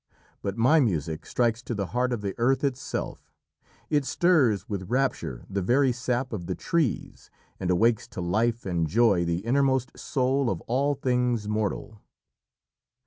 But my music strikes to the heart of the earth itself. It stirs with rapture the very sap of the trees, and awakes to life and joy the innermost soul of all things mortal."